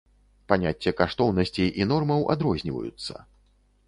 Паняцце каштоўнасцей і нормаў адрозніваюцца.